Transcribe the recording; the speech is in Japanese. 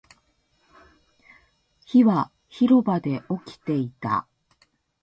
火は広場で起きていた